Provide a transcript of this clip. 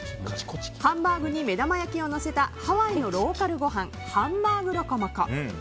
ハンバーグに目玉焼きをのせたハワイのローカルごはんハンバーグロコモコ。